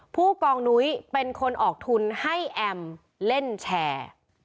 ผู้กองนุ้ยเป็นคนออกทุนให้แอมเล่นแชร์